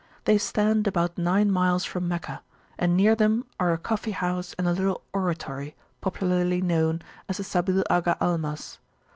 They stand about nine miles from Meccah, and near them are a coffee house and a little oratory, popularly known as the Sabil Agha Almas.